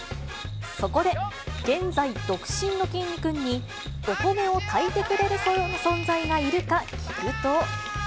そこで現在独身のきんに君に、お米を炊いてくれるような存在がいるか聞くと。